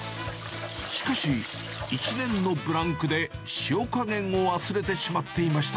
しかし、１年のブランクで塩加減を忘れてしまっていました。